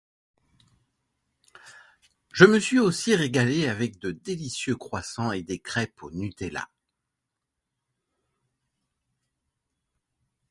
Je me suis aussi régalée avec de délicieux croissants et des crêpes au Nutella.